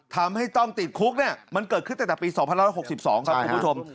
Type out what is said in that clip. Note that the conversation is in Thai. ทำให้ต้องติดคุกเนี่ยมันเกิดขึ้นตั้งแต่ปี๒๑๖๒ครับคุณผู้ชม